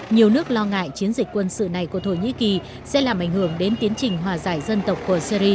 nhiều nước lo ngại chiến dịch quân sự này của thổ nhĩ kỳ sẽ làm ảnh hưởng đến tiến trình hòa giải dân tộc của syri